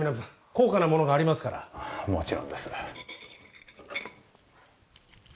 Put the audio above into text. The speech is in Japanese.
高価なものがありますからもちろんです